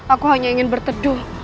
aku hanya ingin berteduh